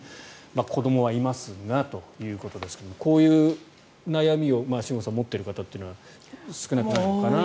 子どもはいますがということですけれどもこういう悩みを新郷さん持っている方は少なくないのかなと。